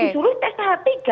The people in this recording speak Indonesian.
terus disulus tes tahap tiga